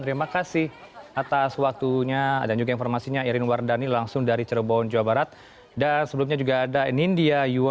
terima kasih atas waktu ini